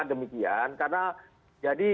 demikian karena jadi